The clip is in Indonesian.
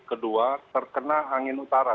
kedua terkena angin utara